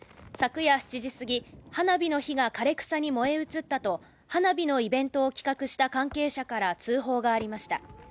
昨夜７時過ぎ、花火の火が枯れ草に燃え移ったと花火のイベントを企画した関係者から通報がありました。